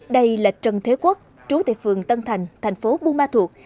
đây là trần thế quốc trú tệ phường tân thành thành phố bumathuot